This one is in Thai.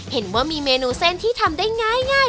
เห็นว่ามีเมนูเส้นที่ทำได้ง่าย